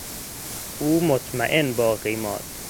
او مطمئن باقی ماند.